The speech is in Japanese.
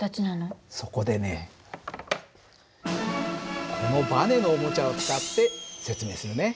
そこでねこのバネのおもちゃを使って説明するね。